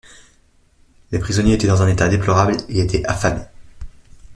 Les prisonniers étaient dans un état déplorable et étaient affamés.